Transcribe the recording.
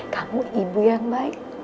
kamu ibu yang baik